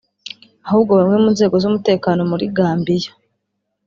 ahubwo bamwe mu nzego z’umutekano muri Gambia